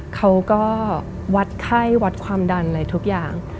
เขาก็วัดไข้วัดความดันอะไรทุกอย่าง